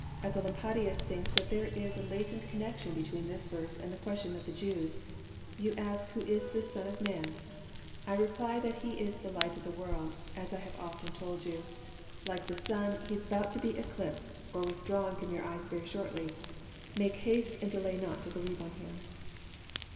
Ecolampadius thinks that there is a latent connection between this verse and the question of the Jews. *^ You ask who is this Son of man ? I reply that He is the Light of the world, as I have often told you. Like the sun, He is abont to be eclipsed, or withdrawn from your eyes very shortly. Make haste, and delay not to believe on Him."